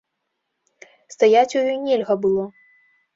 Стаяць у ёй нельга было.